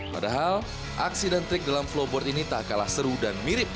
padahal aksi dan trik dalam flowboard ini tak kalah seru dan mirip